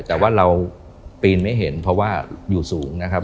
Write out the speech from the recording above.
แต่ว่าเราปีนไม่เห็นเพราะว่าอยู่สูงนะครับ